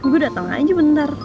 gue dateng aja bentar